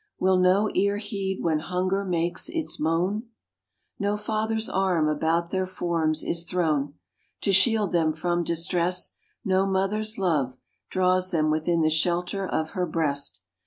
Will no ear heed when hunger makes its moan? No father's arm about their forms is thrown To shield them from distress, no mother's love Draws them within the shelter of her breast.